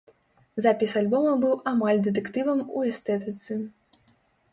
Запіс альбома быў амаль дэтэктывам у эстэтыцы.